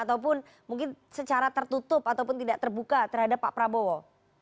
ataupun mungkin secara tertutup ataupun tidak terbuka terhadap pak prabowo